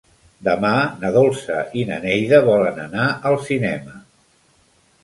Demà na Dolça i na Neida volen anar al cinema.